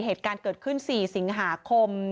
เหตุการณ์เกิดขึ้น๔สิงหาคม